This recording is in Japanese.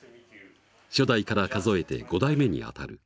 初代から数えて５代目にあたる。